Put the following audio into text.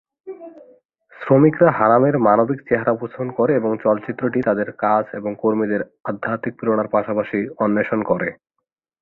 শ্রমিকরা হারামের মানবিক চেহারা উপস্থাপন করে এবং চলচ্চিত্রটি তাদের কাজ এবং কর্মীদের আধ্যাত্মিক প্রেরণার পাশাপাশি অন্বেষণ করে।